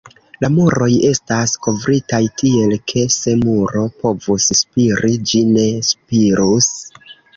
La muroj estas kovritaj tiel, ke se muro povus spiri, ĝi ne spirus.